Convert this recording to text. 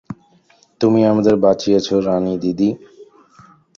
তুমি আমাদের বাঁচিয়েছ রানীদিদি।